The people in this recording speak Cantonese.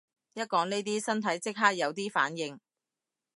一講呢啲身體即刻有啲反應